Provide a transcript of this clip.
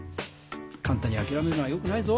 かんたんにあきらめるのはよくないぞ。